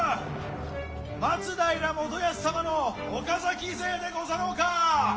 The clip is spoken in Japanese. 松平元康様の岡崎勢でござろうか！